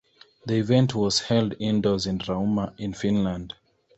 The event was held indoors in Rauma in Finland.